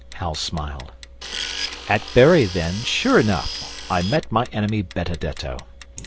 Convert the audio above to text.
Hal smiled. 'At Bury, then, sure enough, I met my enemy Benedetto.